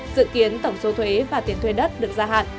dự kiến tổng số thuế và tiền thuê đất được gia hạn